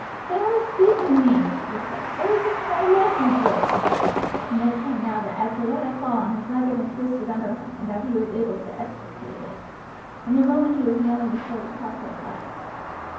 "Thou hast beaten me," he said. "Oi think moi leg be broke." Ned saw now that as the lad had fallen his leg had been twisted under him, and that he was unable to extricate it. In a moment he was kneeling before the prostrate lad.